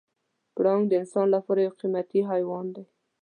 پړانګ د انسان لپاره یو قیمتي حیوان دی.